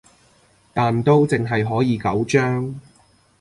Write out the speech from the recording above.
但都淨係可以九張